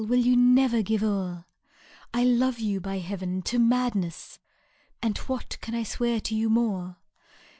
will you never give o'er ? I love 7oU| by Heaven ! to madness^ And what can I swear to you more